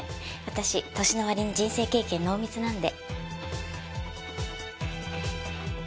私年の割に人生経験濃密なんで。